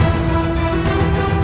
hidup raden walang susah